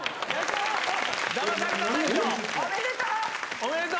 おめでとう。